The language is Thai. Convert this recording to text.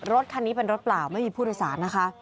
รถคันนี้เป็นรถเปล่าไม่มีผู้โดยสารนะคะ